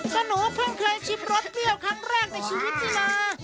ก็หนูเพิ่งเคยชิมรสเปรี้ยวครั้งแรกในชีวิตนี่นะ